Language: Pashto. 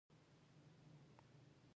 فرانسې مارسي پر مخبېلګه جوړ کړی.